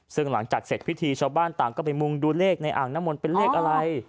ซึ่งหลังจากเสร็จพิธีชาวบ้านต่างก็ไปมุงดูเลขในอ่างน้ำมนต์เป็นเลขอะไร